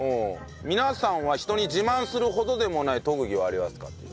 皆さんは人に自慢するほどでもない特技はありますか？という。